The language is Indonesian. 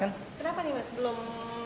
kenapa nih mas belum